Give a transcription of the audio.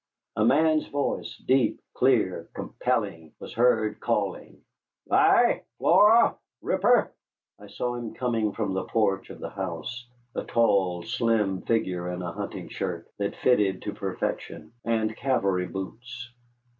A man's voice, deep, clear, compelling, was heard calling: "Vi! Flora! Ripper!" I saw him coming from the porch of the house, a tall slim figure in a hunting shirt that fitted to perfection and cavalry boots.